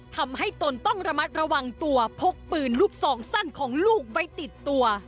ตนต้องระมัดระวังตัวพกปืนลูกซองสั้นของลูกไว้ติดตัว